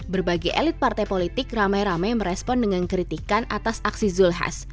berbagai elit partai politik ramai ramai merespon dengan kritikan atas aksi zulkifli hasan